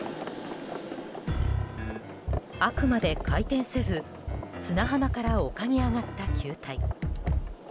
あくまで回転せず砂浜から丘に上がった球体。